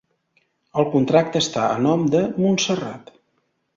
El contracte està a nom de Montserrat.